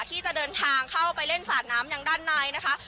ที่จะเดินทางเข้าไปเล่นสาดน้ำอย่างด้านในนะคะ